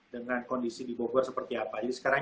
dengan kondisi di bogor seperti apa jadi sekarang